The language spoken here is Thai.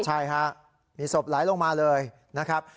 ใช่ฮะมีศพไหลลงมาเลยนะครับ